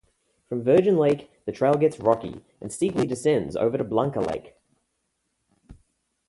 From Virgin Lake, the trail gets rocky, and steeply descends over to Blanca Lake.